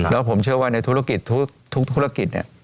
แล้วผมเชื่อว่าในธุรกิจทุกธุรกิจเนี่ย